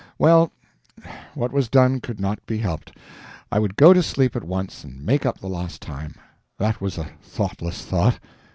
Well, what was done could not be helped; I would go to sleep at once and make up the lost time. That was a thoughtless thought.